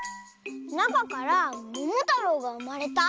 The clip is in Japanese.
なかからももたろうがうまれた？